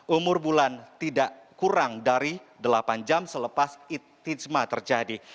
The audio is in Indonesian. umur bulan tidak kurang dari delapan jam selepas itijma terjadi